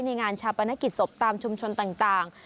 งานชาปนกิจศพตามชุมชนต่าง